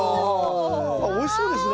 あおいしそうですね。